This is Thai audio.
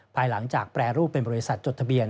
ภายหลังจากแปรรูปเป็นบริษัทจดทะเบียน